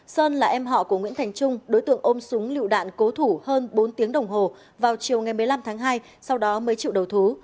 sơn là em họ của nguyễn thành trung đối tượng ôm súng lựu đạn cố thủ hơn bốn tiếng đồng hồ vào chiều ngày một mươi năm tháng hai sau đó mới chịu đầu thú